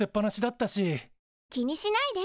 気にしないで。